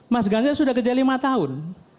mas ganjar sudah kerja lima tahun